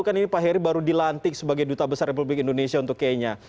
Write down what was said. kan ini pak heri baru dilantik sebagai duta besar republik indonesia untuk kenya